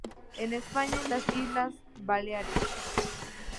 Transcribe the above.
En España en las Islas Baleares.